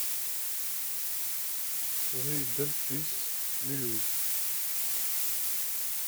Rue Dollfus, Mulhouse